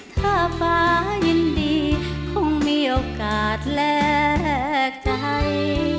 ถ้าฟ้ายินดีคงมีโอกาสแลกใจ